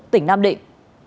tỉnh nam định